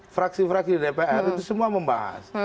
fraksi fraksi di dpr itu semua membahas